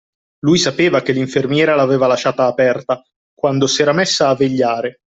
Lui sapeva che l'infermiera l'aveva lasciata aperta, quando s'era messa a vegliare.